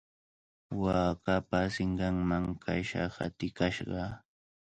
Waakapa sinqanman kasha hatikashqa.